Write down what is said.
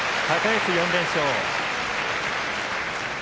高安４連勝。